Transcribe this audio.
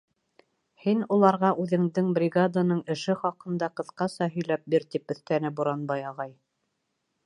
— Һин уларға үҙеңдең, бригаданың эше хаҡында ҡыҫҡаса һөйләп бир, -тип өҫтәне Буранбай ағай.